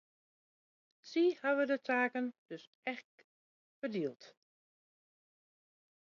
Sy hawwe de taken dus ek ferdield.